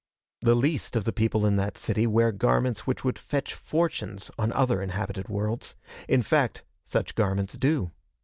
The least of the people in that city wear garments which would fetch fortunes on other inhabited worlds. In fact, such garments do.